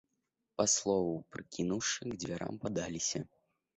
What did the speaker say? Па слову прыкінуўшы, к дзвярам падаліся.